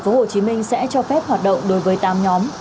hồ chí minh sẽ cho phép hoạt động đối với tám nhóm